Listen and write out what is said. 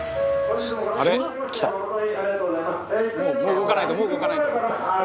「もう動かないともう動かないと」